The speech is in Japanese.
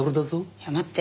いや待って。